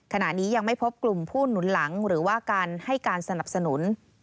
ขณะนี้ยังไม่พบกลุ่มผู้หนุนหลังหรือว่าการให้การสนับสนุน